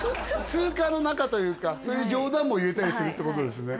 ツーカーの仲というかそういう冗談も言えたりするってことですね